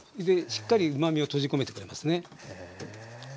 でしっかりうまみを閉じ込めてくれますね。